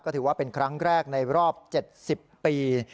ถือว่าเป็นครั้งแรกในรอบ๗๐ปี